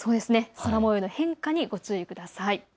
空もようの変化にご注意ください。